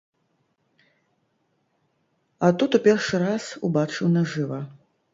А тут у першы раз убачыў нажыва.